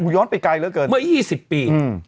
เมื่อ๒๐ปี